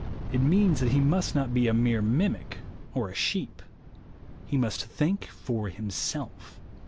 It means that he must not be a mere mimic or a sheep. He must think for himself.